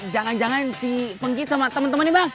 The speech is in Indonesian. jangan jangan si penggi sama temen temennya bang